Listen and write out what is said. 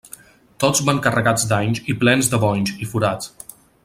Tots van carregats d'anys i plens de bonys i forats.